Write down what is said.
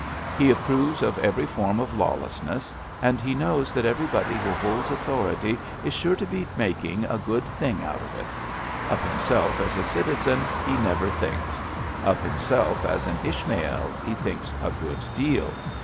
He approves of every form of lawlessness, and he knows that everybody who holds authority is sure to be making a good thing out of it* Of himself as a citizen he never thinks. Of himself as an Is'hmael he thinks a good deal.